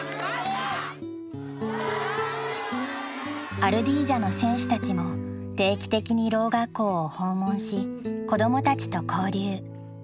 アルディージャの選手たちも定期的にろう学校を訪問し子どもたちと交流。